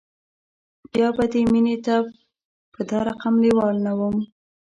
بیا به دې مینې ته په دا رقم لیوال نه وم